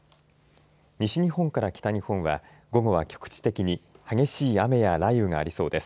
西日本から北日本は午後は局地的に激しい雨や雷雨がありそうです。